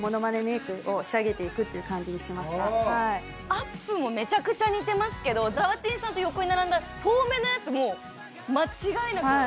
アップもめちゃくちゃ似てますけどざわちんさんと横に並んだ遠めのやつも間違いなく。